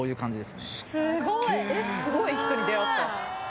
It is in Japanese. すごい人に出会った。